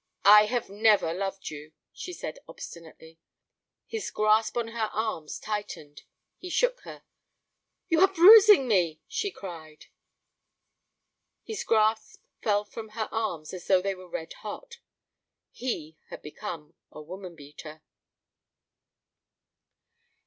'I have never loved you,' she said obstinately. 'You !' His grasp on her arms tightened. He shook her. 'You are bruising me,' she cried. His grasp fell from her arms as though they were red hot. He had become a woman beater.